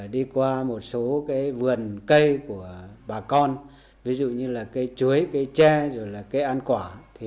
đi qua một số vườn cây của bà con ví dụ như là cây chuối cây tre rồi là cây ăn quả